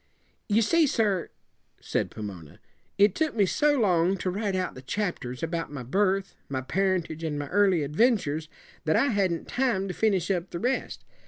"You see, sir," said Pomona, "it took me so long to write out the chapters about my birth, my parentage, and my early adventures, that I hadn't time to finish up the rest.